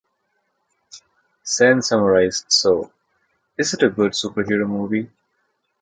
Sen summarised So, is it a good superhero movie?